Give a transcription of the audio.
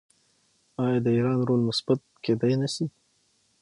آیا د ایران رول مثبت کیدی نشي؟